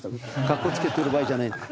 かっこつけてる場合じゃないって。